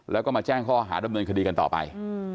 แล้วก็มาแจ้งข้อหาดำเนินคดีกันต่อไป